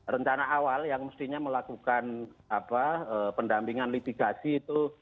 rencana awal yang mestinya melakukan pendampingan litigasi itu